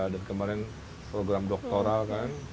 dan kemarin program doktoral kan